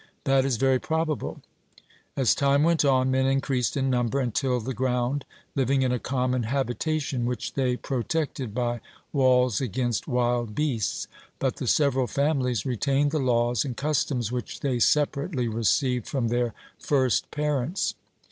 'That is very probable.' As time went on, men increased in number, and tilled the ground, living in a common habitation, which they protected by walls against wild beasts; but the several families retained the laws and customs which they separately received from their first parents.